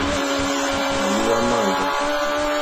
Màlìwá máŋɡâ.